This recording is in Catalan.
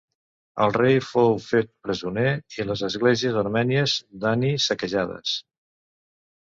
El rei fou fet presoner i les esglésies armènies d'Ani saquejades.